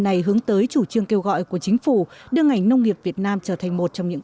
này hướng tới chủ trương kêu gọi của chính phủ đưa ngành nông nghiệp việt nam trở thành một trong những